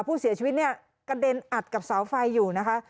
ผู้เสียชีวิตเนี่ยกระเด็นอัดกับเสาไฟอยู่นะคะ